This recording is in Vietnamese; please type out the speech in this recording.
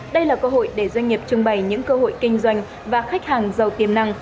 đây là cơ hội để doanh nghiệp trưng bày những cơ hội kinh doanh và khách hàng giàu tiềm năng